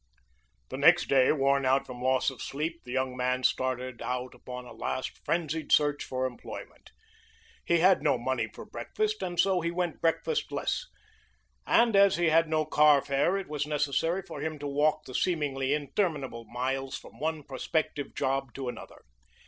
The next day, worn out from loss of sleep, the young man started out upon a last frenzied search for employment. He had no money for breakfast, and so he went breakfastless, and as he had no carfare it was necessary for him to walk the seemingly interminable miles from one prospective job to another.